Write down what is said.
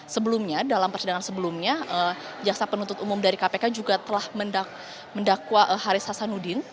sebelumnya dalam persidangan sebelumnya jaksa penuntut umum dari kpk juga telah mendakwa haris hasanuddin